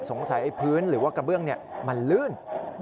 สงสัยไอ้พื้นหรือว่ากระเบื้องเนี่ยมันเลื่อน